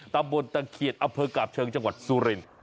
ตามบทเกียรติอเฟิร์กกาบเชิงจังหวัดสุรินทร์